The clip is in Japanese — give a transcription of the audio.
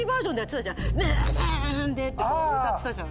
「むすんで」って歌ってたじゃん。